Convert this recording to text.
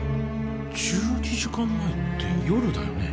１２時間前って夜だよね？